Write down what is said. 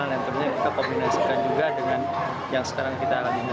dan tentunya kita kombinasikan juga dengan yang sekarang kita alami